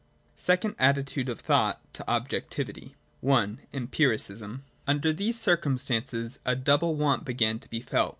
SECOND ATTITUDE OF THOUGHT TO OBJECTIVITY. I. Empiricism. 37.] Under these circumstances a double want began to be felt.